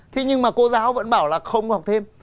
thế nhưng mà cô giáo vẫn bảo là không học thêm